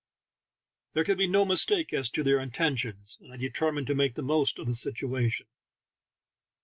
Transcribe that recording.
There could be no mistake as to their intentions, and I determined to make the most of the situation.